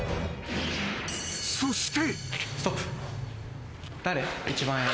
［そして］